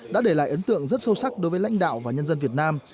đã để lại ấn tượng rất sâu sắc đối với lãnh đạo và nhân dân việt nam